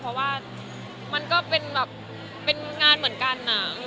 เพราะว่าเป็นงานเหมือนกัน